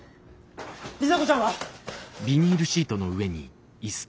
里紗子ちゃんは！？